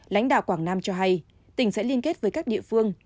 lãnh đạo quảng nam cho hay tỉnh sẽ liên kết với các địa phương